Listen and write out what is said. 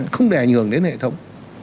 không đè nhường đến hệ thống